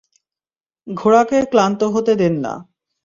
ঘোড়াকে ক্লান্ত হতে দেন না।